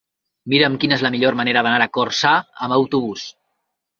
Mira'm quina és la millor manera d'anar a Corçà amb autobús.